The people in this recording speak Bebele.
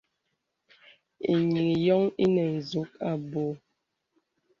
Eniŋ yōŋ inə zūk abū.